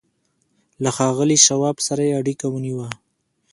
له ښاغلي شواب سره یې اړیکه ونیوه